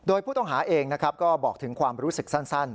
โดยผู้ต้องหาเองนะครับก็บอกถึงความรู้สึกสั้น